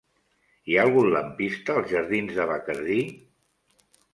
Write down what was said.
Hi ha algun lampista als jardins de Bacardí?